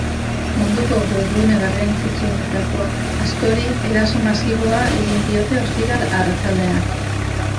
Munduko webgune garrantzitsuenetako askori eraso masiboa egin diete ostiral arratsaldean.